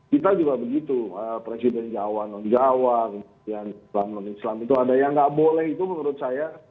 kita juga begitu presiden jawa non jawa kemudian non islam itu ada yang nggak boleh itu menurut saya